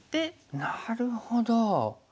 なるほど。